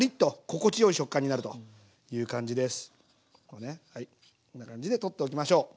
こんな感じで取っておきましょう。